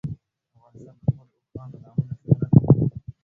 افغانستان د خپلو اوښانو له امله شهرت لري.